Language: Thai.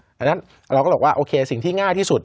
ทั้งนั้นเราก็บอกว่าสิ่งที่ง่ายที่สุด